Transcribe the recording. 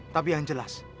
tapi yang jelas